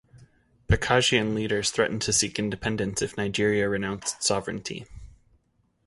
Bakassian leaders threatened to seek independence if Nigeria renounced sovereignty.